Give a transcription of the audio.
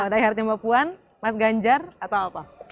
diehardnya mbak puan mas ganjar atau apa